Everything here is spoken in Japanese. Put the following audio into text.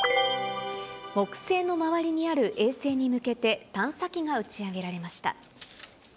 木星の周りにある衛星に向けて、探査機が打ち上げられました。